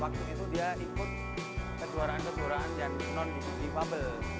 waktu itu dia ikut kejuaraan kejuaraan yang non defable